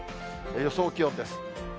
予想気温です。